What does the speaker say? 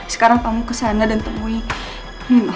sekarang kamu kesana dan temui